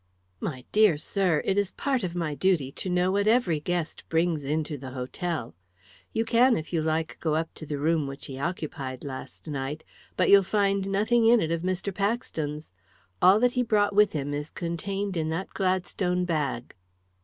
"My dear sir, it is part of my duty to know what every guest brings into the hotel. You can, if you like, go up to the room which he occupied last night, but you'll find nothing in it of Mr. Paxton's. All that he brought with him is contained in that Gladstone bag."